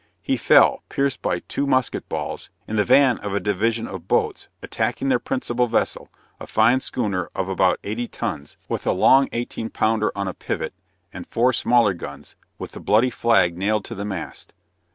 He fell, pierced by two musket balls, in the van of a division of boats, attacking their principal vessel, a fine schooner of about eighty tons, with a long eighteen pounder on a pivot, and four smaller guns, with the bloody flag nailed to the mast.